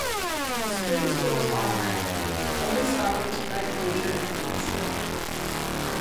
The screen scrolls automatically, only stopping to fight major enemies.